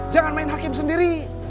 jangan main hakim sendiri